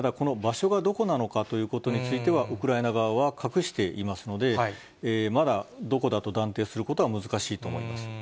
ただ、この場所がどこなのかということについては、ウクライナ側は隠していますので、まだどこだと断定することは難し